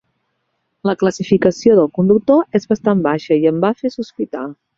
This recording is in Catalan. La classificació del conductor és bastant baixa i em va fer sospitar.